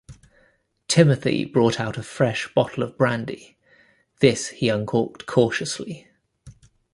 Timothy brought out a fresh bottle of brandy. This he uncorked cautiously.